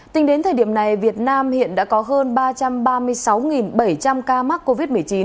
tính đến thời điểm này việt nam hiện đã có hơn ba trăm ba mươi sáu bảy trăm linh ca mắc covid một mươi chín